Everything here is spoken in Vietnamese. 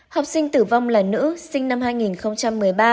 học sinh tử vong là nữ sinh năm hai nghìn một mươi ba